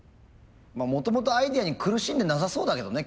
もともとアイデアに苦しんでなさそうだけどね